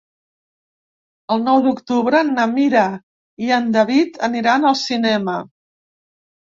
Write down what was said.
El nou d'octubre na Mira i en David aniran al cinema.